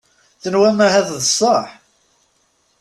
Tenwim ahat d sseḥ.